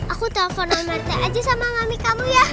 aku telepon pak rt aja sama mami kamu ya